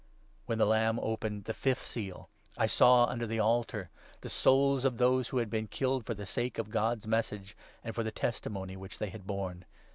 When the Lamb opened the fifth seal, I saw under the altar 9 the souls of those who had been killed for the sake of God's Message and for the testimony which they had borne.